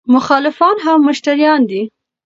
مخالفان هم مشتریان دي.